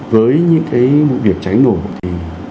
với những cái vụ việc cháy nổ thì